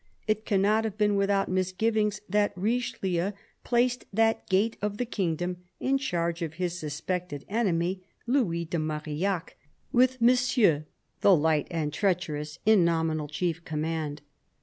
It cannot have been without misgivings that Richelieu placed that gate of the kingdom in charge of his suspected enemy Louis de Marillac, with Monsieur, the light and treacherous, in nominal chief command.